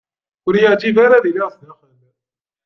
Ur y-iεǧib ara ad iliɣ sdaxel.